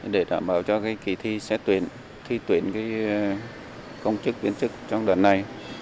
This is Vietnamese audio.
để đảm bảo cho kỳ thi xét tuyển thi tuyển công chức viên chức trong đợt này